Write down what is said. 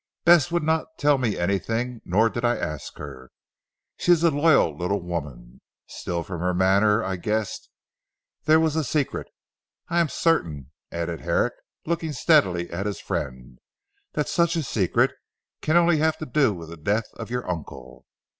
Bess would not tell me anything, nor did I ask her. She is a loyal little woman. Still from her manner I guessed there was a secret. I am certain," added Herrick looking steadily at his friend, "that such a secret can only have to do with the death of your uncle.